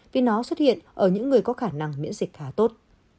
vì nó xuất hiện ở những người có khả năng miễn dịch khá tốt